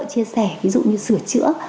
chia sẻ ví dụ như sửa chữa